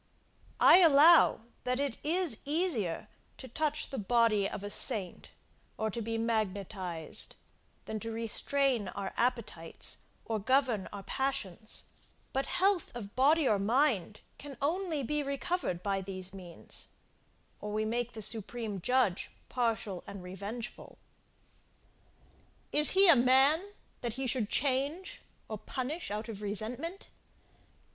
I allow that it is easier to touch the body of a saint, or to be magnetised, than to restrain our appetites or govern our passions; but health of body or mind can only be recovered by these means, or we make the Supreme Judge partial and revengeful. Is he a man, that he should change, or punish out of resentment?